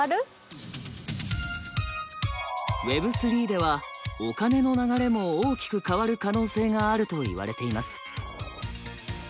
Ｗｅｂ３ではお金の流れも大きく変わる可能性があるといわれています。